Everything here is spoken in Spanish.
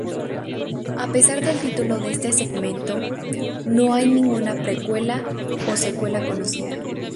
A pesar del título de este segmento, no hay ninguna precuela o secuela conocida.